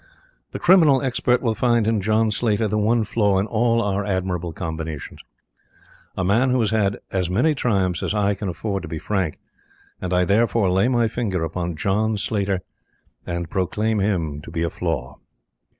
The criminal expert will find in John Slater the one flaw in all our admirable combinations. A man who has had as many triumphs as I can afford to be frank, and I therefore lay my finger upon John Slater, and I proclaim him to be a flaw.